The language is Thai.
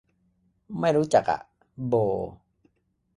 ไม่รู้จักอ่ะ โบ